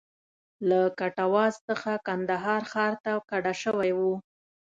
له کټواز څخه کندهار ښار ته کډه شوی و.